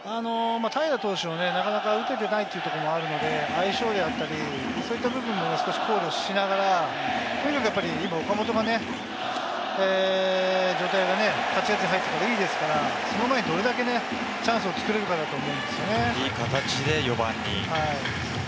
平良投手をなかなか打てていないというところもあるので、相性であったり、そういった部分を考慮しながら、とにかく今、岡本がね、状態がいいですから、その前にどれだけチいい形で４番に。